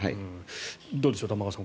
どうでしょう、玉川さん。